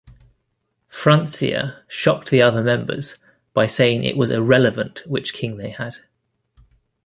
Francia shocked the other members by saying it was irrelevant which king they had.